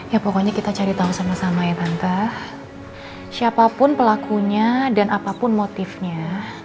ya pokoknya kita cari tahu sama sama ya tante siapapun pelakunya dan apapun motifnya